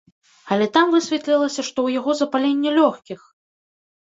Але там высветлілася, што ў яго і запаленне лёгкіх!